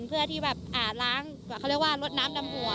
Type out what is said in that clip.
เพื่อที่แบบล้างเขาเรียกว่าลดน้ำดำหัว